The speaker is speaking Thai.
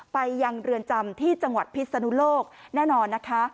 ไปยังเรือนจำที่จังหวัดพิศนุโลกแน่นอนนะคะ